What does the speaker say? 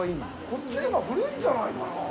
こっちのほうが古いんじゃないかな。